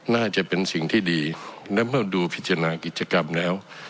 น่าจะเป็นสิ่งที่ดีและเมื่อดูพิจารณากิจกรรมแล้ว